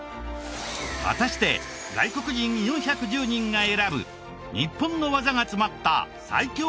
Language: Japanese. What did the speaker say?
果たして外国人４１０人が選ぶ日本の技が詰まった最強Ｎｏ．１